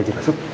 terima kasih pak